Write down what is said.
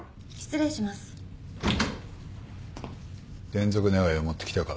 転属願を持ってきたか。